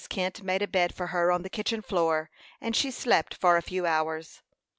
Kent made a bed for her on the kitchen floor, and she slept for a few hours.